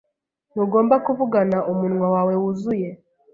Ntugomba kuvugana umunwa wawe wuzuye.